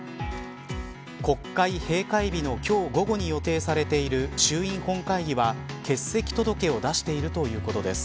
国会閉会日の今日午後に予定されている衆院本会議は欠席届を出しているということです。